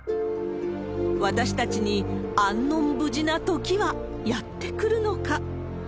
私たちに安穏無事なときはやって来るのか。